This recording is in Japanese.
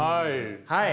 はい。